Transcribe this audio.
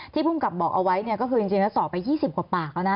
ภูมิกับบอกเอาไว้เนี่ยก็คือจริงแล้วสอบไป๒๐กว่าปากแล้วนะ